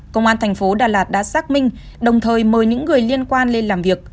công an thành phố đà lạt đã xác minh đồng thời mời những người liên quan lên làm việc